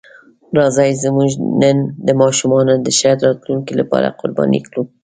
راځئ زموږ نن د ماشومانو د ښه راتلونکي لپاره قرباني کړو.